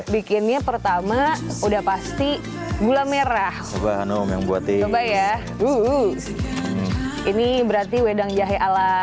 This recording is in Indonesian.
municipal makinnya pertama sudah pasti gula merah ama yang ebayah bu ini berarti wedang jahe ala